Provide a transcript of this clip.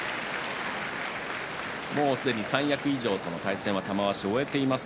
すでに三役以上との対戦は玉鷲、終えています。